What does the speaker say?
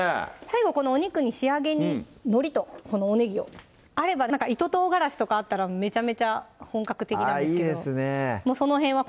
最後このお肉に仕上げにのりとこのおねぎをあれば糸唐辛子とかあったらめちゃめちゃ本格的なんですけどあっいいですね